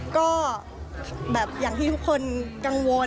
ก็แบบอย่างที่ทุกคนกังวล